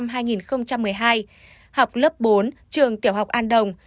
học lớp bốn trường tiểu học an đồng